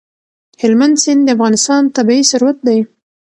هلمند سیند د افغانستان طبعي ثروت دی.